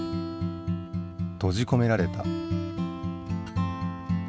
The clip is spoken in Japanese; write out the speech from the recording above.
とじこめられた。